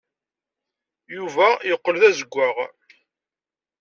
Yuba yeqqel d azewwaɣ.